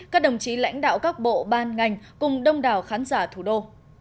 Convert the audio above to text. các đồng chí lãnh đạo các bộ ban ngành cùng đông đảo khán giả thủ đô